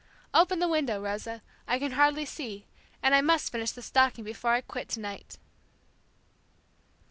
Open the window, Rosa, I can hardly see, and I must finish this stocking before I quit tonight."